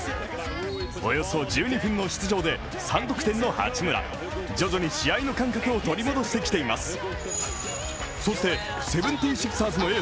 およそ１２分の出場で３得点の八村、徐々に試合の感覚を取り戻してきています。